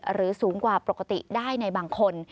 สูงกว่าปกติได้ในบางคน